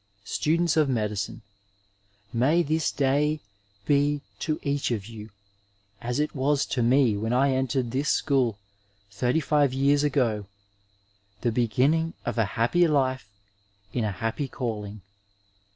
Students of Medicine : May this day be to each of you, as it was to me when I entered this school thirty five yean ago, the b^inning of a happy life in a happy calling.